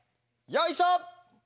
よいしょ！